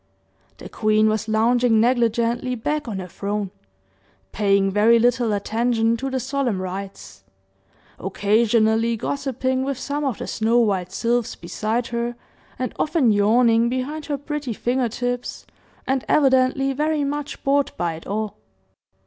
The queen was lounging negligently back on her throne, paying very little attention to the solemn rites, occasionally gossiping with some of the snow white sylphs beside her, and often yawning behind her pretty finger tips, and evidently very much bored by it all.